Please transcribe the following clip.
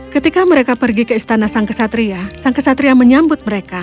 ketika mereka pergi ke istana sang kesatria sang kesatria menyambut mereka